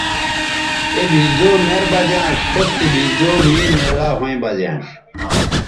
اے بھیزدو مر بہ زیانݜ خِختے بھیزدو مے میلاو ھویں بہ زیانݜ